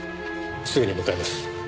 すぐに向かいます。